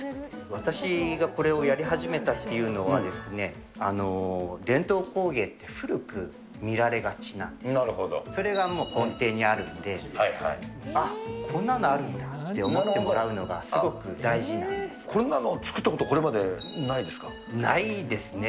私がこれをやり始めたっていうのは、伝統工芸って古く見られがちなんで、それがもう根底にあるので、あっ、こんなのあるんだ？って思ってもらうのが、すごく大事なんこんなの作ったこと、これまないですね。